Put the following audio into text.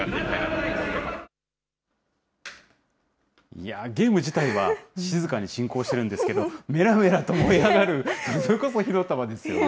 いやぁ、ゲーム自体は静かに進行しているんですけれども、めらめらと燃え上がる、それこそ火の玉ですよね。